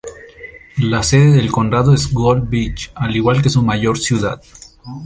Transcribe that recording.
La sede del condado es Gold Beach, al igual que su mayor ciudad.